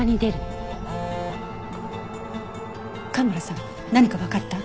蒲原さん何かわかった？